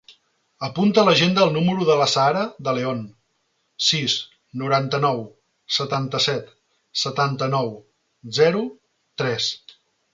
Apunta a l'agenda el número de l'Azahara De Leon: sis, noranta-nou, setanta-set, setanta-nou, zero, tres.